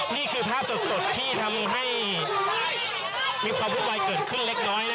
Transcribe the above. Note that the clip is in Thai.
นี่คือภาพสดที่ทำให้มีความวุ่นวายเกิดขึ้นเล็กน้อย